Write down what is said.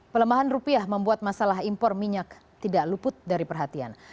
pelemahan rupiah membuat masalah impor minyak tidak luput dari perhatian